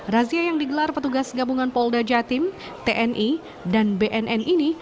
razia yang digelar petugas gabungan polda jatim tni dan bnn ini